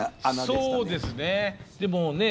そうですね。